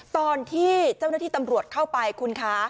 ตอนที่เจ้าหน้าที่ตำรวจเข้าไปคุณคะ